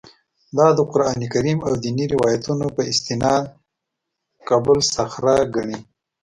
دا د قران کریم او دیني روایتونو په استناد قبه الصخره ګڼي.